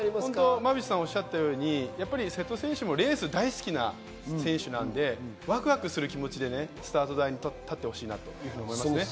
馬淵さんがおっしゃったように瀬戸選手もレースが大好きな選手なので、ワクワクする気持ちでスタート台に立ってほしいなと思います。